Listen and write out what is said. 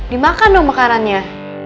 dimakan dong makanannya